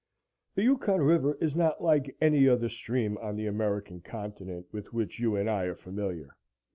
The Yukon River is not like any other stream on the American continent with which you and I are familiar.